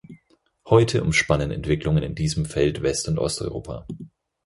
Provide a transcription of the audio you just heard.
Heute umspannen Entwicklungen in diesem Feld West- und Osteuropa.